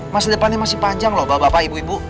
masa depannya masih panjang lho bapak ibu ibu